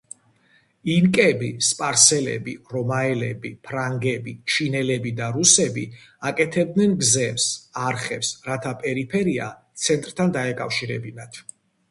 ინკები, სპარსელები, რომაელები, ფრანგები, ჩინელები და რუსები აკეთებდნენ გზებს, არხებს, რათა პერიფერია ცენტრთან დაეკავშირებინათ.